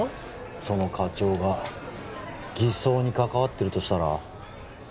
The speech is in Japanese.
その課長が偽装に関わってるとしたら？